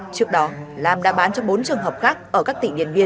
trước đó lam đã bán cho bốn trường hợp khác ở các tỉ điện viên